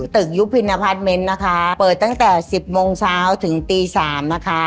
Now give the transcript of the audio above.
ตึกยุปินอพาร์ทเม้นต์นะคะเปิดตั้งแต่๑๐โมงเช้าถึงตี๓นะคะ